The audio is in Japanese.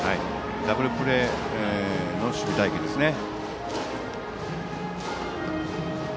ダブルプレーの守備隊形ですね。